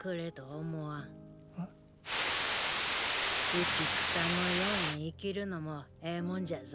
浮き草のように生きるのもええもんじゃぞ。